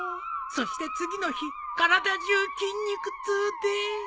そして次の日体中筋肉痛で。